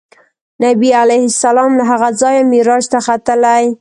نبي علیه السلام له هغه ځایه معراج ته ختلی.